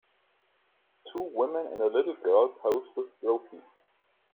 Two women and a little girl pose with trophies.